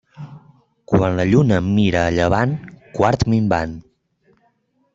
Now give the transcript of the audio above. Quan la lluna mira a llevant, quart minvant.